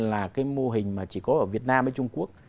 là cái mô hình mà chỉ có ở việt nam hay trung quốc